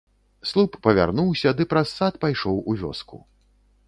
Слуп павярнуўся ды праз сад пайшоў у вёску.